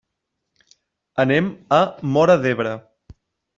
Anem a Móra d'Ebre.